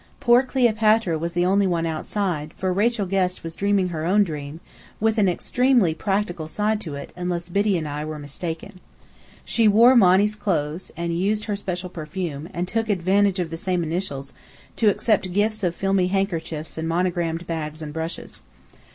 Poor Cleopatra was the only one outside, for Rachel Guest was dreaming her own dream, with an extremely practical side to it, unless Biddy and I were mistaken. She wore Monny's clothes, and used her special perfume, and took advantage of the same initials, to accept gifts of filmy handkerchiefs and monogrammed bags and brushes.